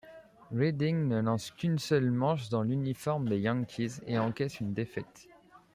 Redding ne lance qu'une seule manche dans l'uniforme des Yankees et encaisse une défaite.